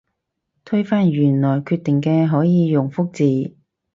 推翻原來決定嘅可以用覆字